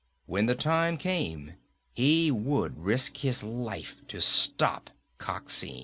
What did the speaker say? When the time came, he would risk his life to stop Coxine!